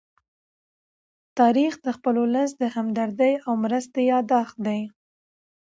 تاریخ د خپل ولس د همدردۍ او مرستې يادښت دی.